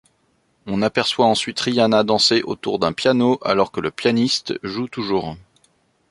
On aperçoit ensuite Rihanna danser autour d'un piano alors que le pianiste joue toujours.